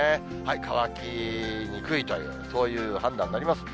乾きにくいという、そういう判断になります。